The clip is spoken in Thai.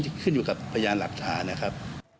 ใช่นะครับขึ้นอยู่กับพญานหลักฐานนะครับ